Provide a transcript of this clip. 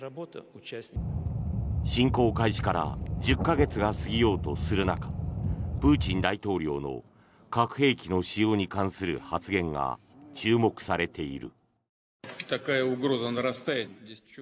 侵攻開始から１０か月が過ぎようとする中プーチン大統領の核兵器の使用に関する発言が注目されている。